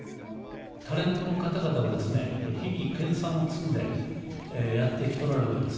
タレントの方々は、これ、日々研さんを積んでやってきておられるわけです。